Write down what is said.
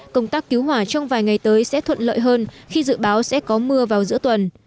công tác cứu hỏa trong vài ngày tới sẽ thuận lợi hơn khi dự báo sẽ có mưa vào giữa tuần